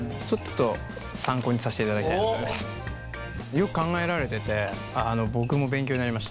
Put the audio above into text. よく考えられてて僕も勉強になりました。